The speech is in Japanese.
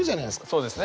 そうですね。